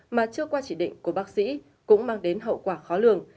mà chưa qua chỉ định của bác sĩ cũng mang đến hậu quả khó lường